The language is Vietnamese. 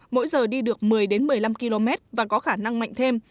mỗi giờ đi được một mươi một mươi năm km và có khả năng mạnh thêm